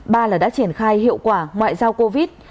ba là đã triển khai hiệu quả ngoại giao covid